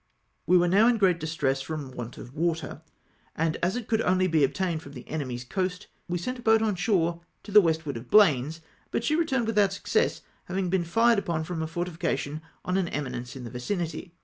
We were now in great distress from want of water, and as it could only be obtained fi'om the enemy's coast, we sent a boat on shore to the westward of Blanes, but she returned without success, having been fired upon from a fortification on an emhience m the vicinity.